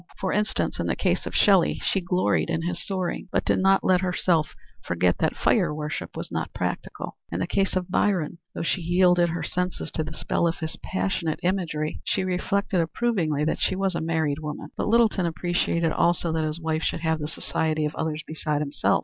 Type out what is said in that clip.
For instance, in the case of Shelley, she gloried in his soaring, but did not let herself forget that fire worship was not practical; in the case of Byron, though she yielded her senses to the spell of his passionate imagery, she reflected approvingly that she was a married woman. But Littleton appreciated also that his wife should have the society of others beside himself.